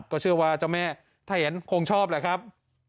ก็เชื่อว่าเจ้าแม่ถ้าเห็นคงชอบแหละครับ